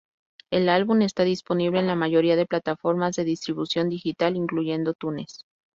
El álbum está disponible en la mayoría de plataformas de distribución digital incluyendo iTunes.